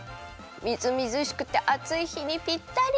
みずみずしくてあついひにぴったり！